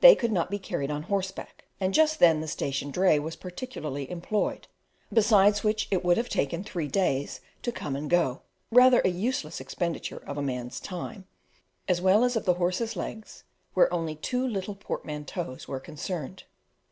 They could not be carried on horseback, and just then the station dray was particularly employed; besides which it would have taken three days to come and go, rather a useless expenditure of the man's time, as well as of the horses' legs, where only two little portmanteaus were concerned.